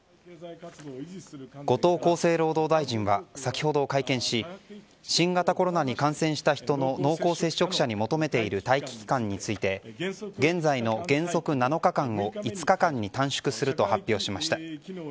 後藤厚生労働大臣は先ほど会見し新型コロナに感染した人の濃厚接触者に求めている待機期間について現在の原則７日間を５日間に短縮すると発表しました。